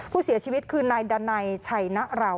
ผู้เสียชีวิตคือนายดันัยชัยนะเรา